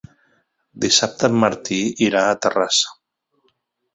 Dissabte en Martí irà a Terrassa.